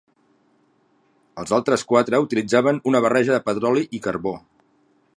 Els altres quatre utilitzaven una barreja de petroli i carbó.